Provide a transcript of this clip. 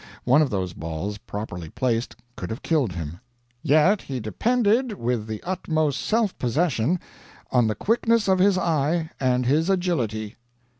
One of those balls, properly placed, could have killed him; "Yet he depended, with the utmost self possession, on the quickness of his eye and his agility."